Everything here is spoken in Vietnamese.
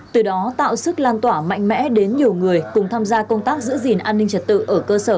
từ đó tạo sức lan tỏa mạnh mẽ đến nhiều người cùng tham gia công tác giữ gìn an ninh trật tự ở cơ sở